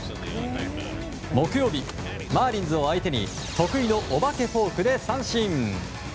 木曜日、マーリンズを相手に得意のお化けフォークで三振。